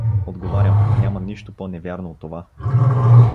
Отговарям: Няма нищо по-невярно от това!